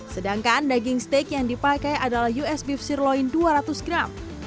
sedangkan daging steak yang dipakai adalah us beef sirloin dua ratus gram